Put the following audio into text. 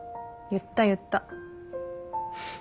言った言った。